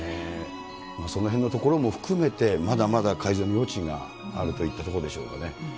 そのへんのところも含めて、まだまだ改善の余地があるといったところでしょうかね。